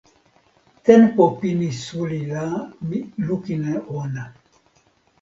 tenpo pini suli la mi lukin e ona.